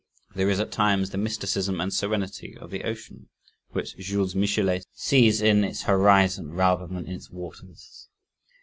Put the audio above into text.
There is at times the mysticism and serenity of the ocean, which Jules Michelet sees in "its horizon rather than in its waters."